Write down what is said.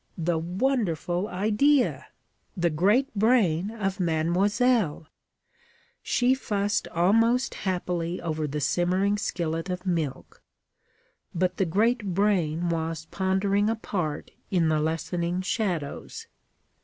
The wonderful idea! The great brain of mademoiselle! She fussed almost happily over the simmering skillet of milk. But the great brain was pondering apart in the lessening shadows.